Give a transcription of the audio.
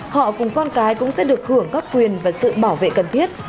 họ cùng con cái cũng sẽ được hưởng các quyền và sự bảo vệ cần thiết